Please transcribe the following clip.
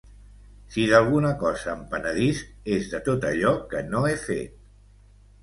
Si d'alguna cosa em penedisc és de tot allò que no he fet.